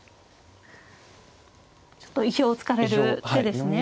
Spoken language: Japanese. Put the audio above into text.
ちょっと意表をつかれる手ですね。